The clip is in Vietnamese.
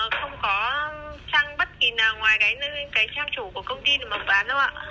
không có trang bất kỳ nào ngoài cái trang chủ của công ty được mở bán đâu ạ